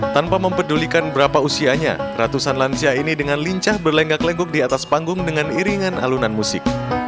tanpa mempedulikan berapa usianya ratusan lansia ini dengan lincah berlenggak legok di atas panggung dengan iringan alunan musik